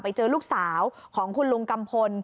เจอลูกสาวของคุณลุงกัมพล